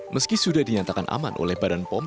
meski sudah dinyatakan aman oleh badan pom